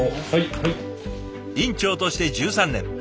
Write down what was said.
院長として１３年。